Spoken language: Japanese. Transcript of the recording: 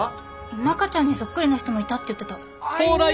中ちゃんにそっくりな人もいたって言ってた。